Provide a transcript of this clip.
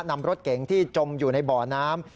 นำรถเก๋งที่จมอยู่ในบ่อน้ำ